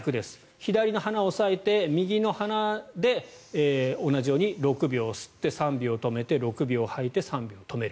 左の鼻を押さえて右の鼻で同じように６秒吸って３秒止めて、６秒吐いて３秒止める。